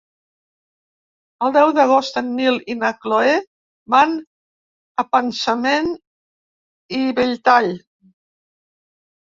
El deu d'agost en Nil i na Cloè van a Passanant i Belltall.